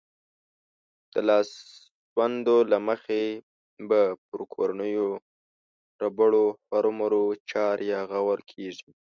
د لاسوندو له مخې به پر کورنيو ربړو هرومرو چار يا غور کېږي.